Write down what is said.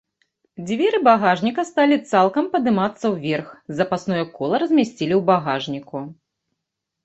Дзверы багажніка сталі цалкам падымацца ўверх, запасное кола размясцілі ў багажніку.